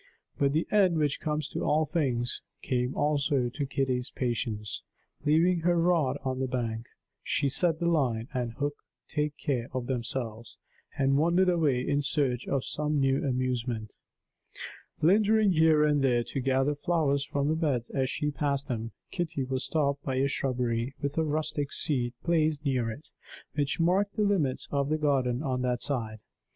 But the end which comes to all things came also to Kitty's patience. Leaving her rod on the bank, she let the line and hook take care of themselves, and wandered away in search of some new amusement. Lingering here and there to gather flowers from the beds as she passed them, Kitty was stopped by a shrubbery, with a rustic seat placed near it, which marked the limits of the garden on that side.